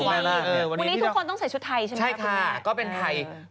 วันนี้ทุกคนต้องใส่ชุดไทยใช่ไหมครับคุณแม่ใช่ค่ะ